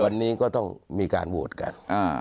วันนี้ก็ต้องมีการโหวตกัน